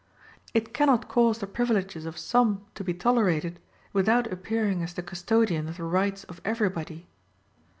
It cannot cause the privileges of some to be tolerated without appearing as the custodian of the rights of everybody.